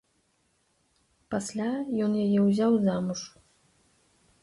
Пасля ён яе ўзяў замуж.